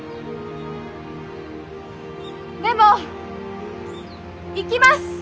でも行きます！